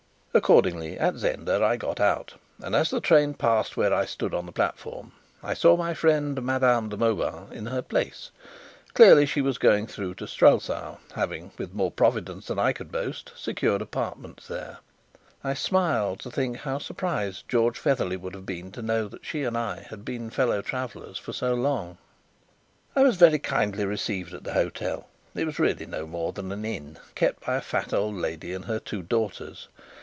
Accordingly at Zenda I got out, and as the train passed where I stood on the platform, I saw my friend Madame de Mauban in her place; clearly she was going through to Strelsau, having, with more providence than I could boast, secured apartments there. I smiled to think how surprised George Featherly would have been to know that she and I had been fellow travellers for so long. I was very kindly received at the hotel it was really no more than an inn kept by a fat old lady and her two daughters.